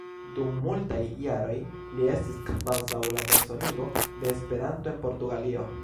Dum multaj jaroj li estis kvazaŭ la personigo de Esperanto en Portugalio.